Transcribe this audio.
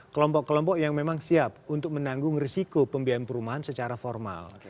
kelompok kelompok yang memang siap untuk menanggung risiko pembiayaan perumahan secara formal